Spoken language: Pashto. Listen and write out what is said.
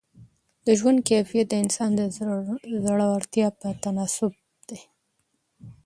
د ژوند کیفیت د انسان د زړورتیا په تناسب دی.